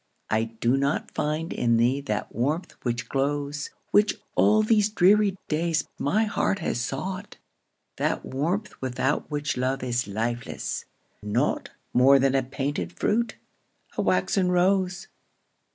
I do not find in thee that warmth which glows, Which, all these dreary days, my heart has sought, That warmth without which love is lifeless, naught More than a painted fruit, a waxen rose.